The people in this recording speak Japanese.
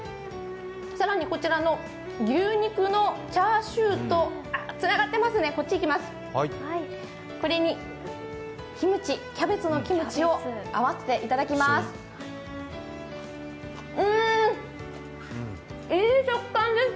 更にこちらの牛肉のチャーシューとつながってますね、こっちいきます、キャベツのキムチを合わせていただきます。